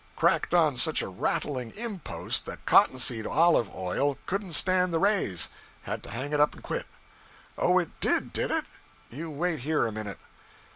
Cracked on such a rattling impost that cotton seed olive oil couldn't stand the raise; had to hang up and quit.' 'Oh, it did, did it? You wait here a minute.'